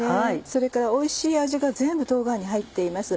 それからおいしい味が全部冬瓜に入っています。